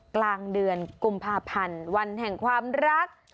กลางเดือนกุมภาพันธ์วันแห่งความรัก